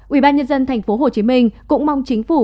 ubnd tp hcm cũng mong chính phủ